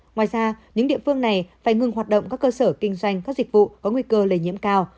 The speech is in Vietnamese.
ngoài ra những địa phương này phải ngừng hoạt động các cơ sở kinh doanh các dịch vụ có nguy cơ lây nhiễm cao